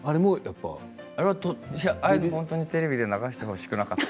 あれは本当はテレビで流してほしくなかった。